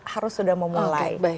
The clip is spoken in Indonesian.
harus sudah memulai